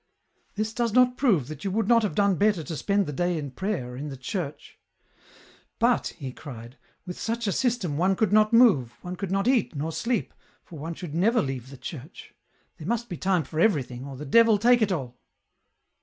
" This does not prove that you would not have done better to spend the day in prayer, in the church. " But," he cried, " with such a system one could not move, one could not eat, nor sleep, for one should never leave the church. There must be time for everything, or the devil take it all